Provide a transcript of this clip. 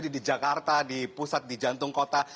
di jakarta di pusat di jantung kota